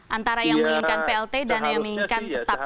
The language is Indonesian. antara yang menginginkan plt dan yang menginginkan tetap